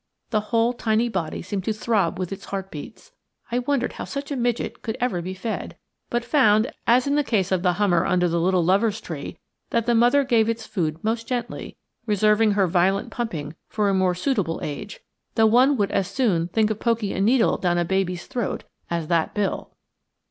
The whole tiny body seemed to throb with its heart beats. I wondered how such a midget could ever be fed, but found, as in the case of the hummer under the little lover's tree, that the mother gave its food most gently, reserving her violent pumping for a more suitable age; though one would as soon think of poking a needle down a baby's throat as that bill.